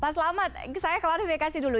pak selamat saya kelarin bekas dulu